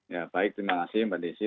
ya baik terima kasih mbak desi